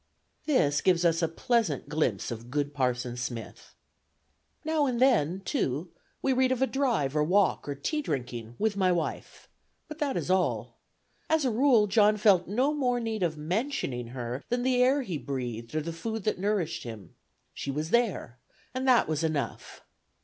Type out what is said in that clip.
This gives us a pleasant glimpse of good Parson Smith. Now and then, too, we read of a drive or walk or tea drinking "with my wife"; but that is all. As a rule, John felt no more need of mentioning her, than the air he breathed, or the food that nourished him. She was there, and that was enough.